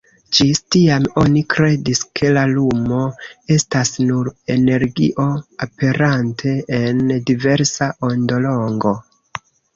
Ĝis tiam oni kredis, ke la lumo estas nur energio, aperante en diversa ondolongo.